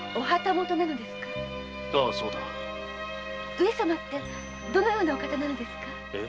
上様ってどのようなお方なのですか？